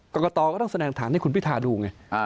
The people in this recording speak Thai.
กรกตก็ต้องแสดงฐานให้คุณพิธาดูไง